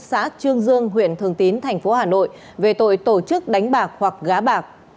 xã trương dương huyện thường tín tp hà nội về tội tổ chức đánh bạc hoặc gá bạc